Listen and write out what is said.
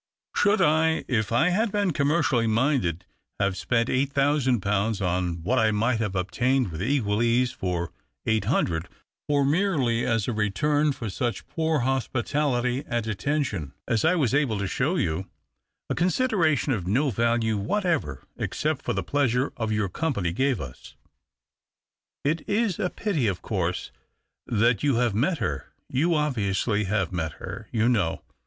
Should I, if I had been commercially minded, have spent eight thousand pounds on what I might have ol>tained with equal ease for eight hundred or merely as a return for such poor hospitality and attention as I was able to show you — a consideration of no value whatever except for the pleasure your company gave us. It is a pity, of course, that you have met her — you obviously have met her, you know.